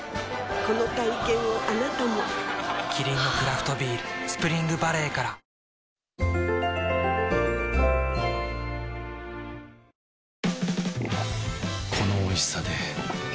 この体験をあなたもキリンのクラフトビール「スプリングバレー」からこのおいしさで